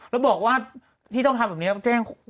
แล้วบอกว่าที่ต้องทำแบบนี้แจ้ง